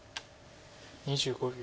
２５秒。